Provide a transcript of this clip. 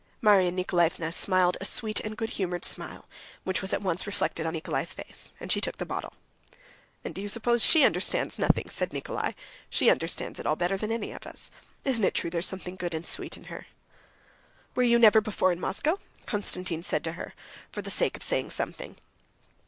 Marya Nikolaevna smiled a sweet and good humored smile, which was at once reflected on Nikolay's face, and she took the bottle. "And do you suppose she understands nothing?" said Nikolay. "She understands it all better than any of us. Isn't it true there's something good and sweet in her?" "Were you never before in Moscow?" Konstantin said to her, for the sake of saying something.